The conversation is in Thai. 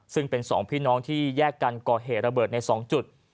ซึ่งเป็น๒พี่น้องที่แยกกันก่อเหตุระเบิดใน๒จุด